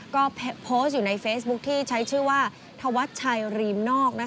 ก็โพสต์อยู่ในเฟซบุ๊คที่ใช้ชื่อว่าธวัชชัยรีมนอก